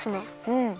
うん。